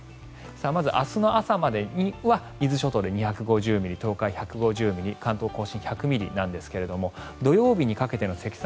まず明日の朝までには伊豆諸島で２５０ミリ東海、１５０ミリ関東・甲信１００ミリなんですが土曜日にかけての積算